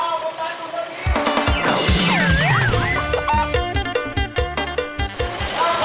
สวัสดีค่ะ